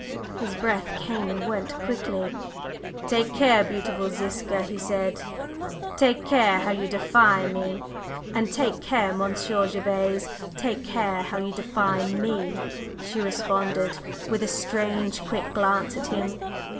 His breath came and went quickly. "Take care, beautiful Ziska!" he said. "Take care how you defy me!" "And take care, Monsieur Gervase; take care how you defy me!" she responded, with a strange, quick glance at him.